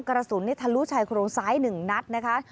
กรสุนิทรุชายโครงซ้ายหนึ่งนัดนะคะ